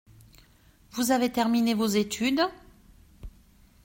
Vous avez terminé vos études ?